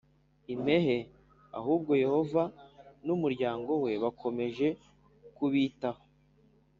impehe Ahubwo Yehova n umuryango we bakomeje kubitaho